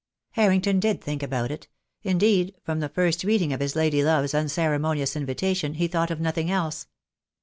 Harrington did think about it — indeed, from the first reading of his lady love's unceremonious invitation he thought of nothing else.